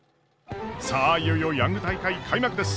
さあいよいよヤング大会開幕です！